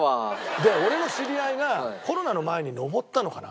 で俺の知り合いがコロナの前に登ったのかな。